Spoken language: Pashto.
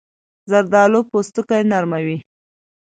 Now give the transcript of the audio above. زردالو پوستکی نرم وي.